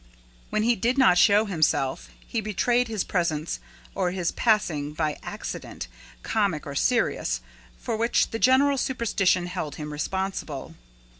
When he did not show himself, he betrayed his presence or his passing by accident, comic or serious, for which the general superstition held him responsible.